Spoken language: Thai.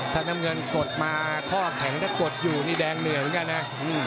ถ้าน้ำเงินกดมาข้อแข็งถ้ากดอยู่นี่แดงเหนื่อยเหมือนกันนะ